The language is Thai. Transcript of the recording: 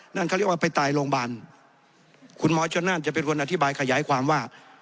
นั่นเขาเรียกว่าไปตายโรงพยาบาลคุณหมอชนนั่นจะเป็นคนอธิบายขยายความว่า